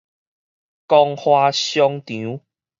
光華商場